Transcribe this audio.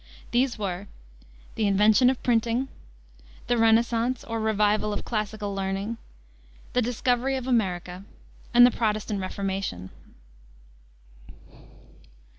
These were the invention of printing, the Renascence, or revival of classical learning, the discovery of America, and the Protestant Reformation.